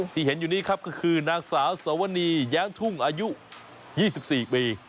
เห็นอยู่นี้ครับก็คือนางสาวสวนีแย้มทุ่งอายุ๒๔ปี